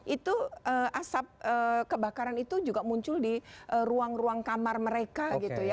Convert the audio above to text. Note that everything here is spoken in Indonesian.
itu asap kebakaran itu juga muncul di ruang ruang kamar mereka gitu ya